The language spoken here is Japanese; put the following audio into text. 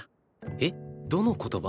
えっどの言葉？